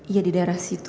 iya di daerah situ